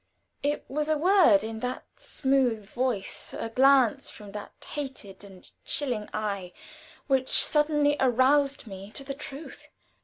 It was a word in that smooth voice, a glance from that hated and chilling eye, which suddenly aroused me to the truth.